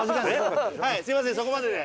はいすみませんそこまでで！